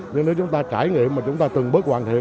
nhưng nếu chúng ta trải nghiệm mà chúng ta từng bước hoàn thiện